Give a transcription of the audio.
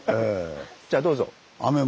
じゃあどうぞ。